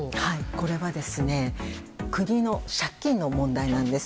これは国の借金の問題なんです。